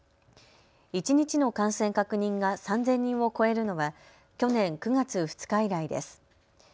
一日の感染確認が３０００人を超えるのは去年９月２日以来です。